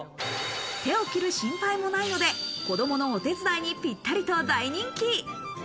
手を切る心配もないので、子供のお手伝いにぴったりと大人気。